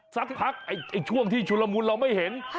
สักพักช่วงที่ชุลมุนเราไม่เห็น